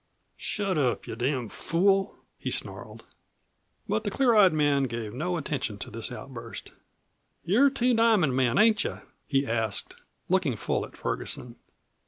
"Shut up, you damn fool!" he snarled. But the clear eyed man gave no attention to this outburst. "You're Two Diamond men, ain't you?" he asked, looking full at Ferguson.